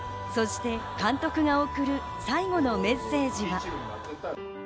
そして監督が贈る最後のメッセージは。